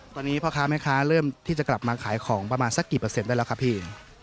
ตอนนี้พ่อค้าแม่ค้าเริ่มที่จะกลับมาขายของประมาณสักกี่เปอร์เซ็นได้แล้วครับพี่